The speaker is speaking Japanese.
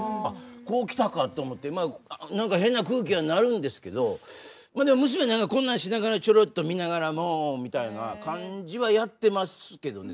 こう来たかと思って何か変な空気はなるんですけどでも娘何かこんなんしながらちょろっと見ながらもうみたいな感じはやってますけどね。